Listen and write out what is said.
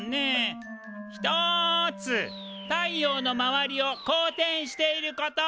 １つ「太陽の周りを公転していること」！